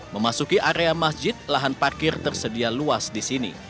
memasuki area masjid lahan parkir tersedia luas di sini